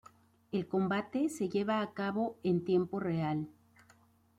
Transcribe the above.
El combate se lleva a cabo en tiempo real.